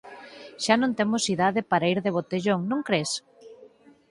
Xa non temos idade para ir de botellón, non cres?